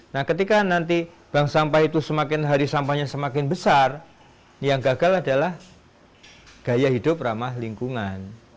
nah ketika nanti bank sampah itu semakin hari sampahnya semakin besar yang gagal adalah gaya hidup ramah lingkungan